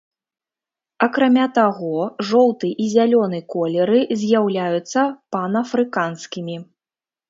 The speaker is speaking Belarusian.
Акрамя таго, жоўты і зялёны колеры з'яўляюцца панафрыканскімі.